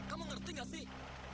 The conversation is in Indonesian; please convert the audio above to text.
kamu ngerti nggak sih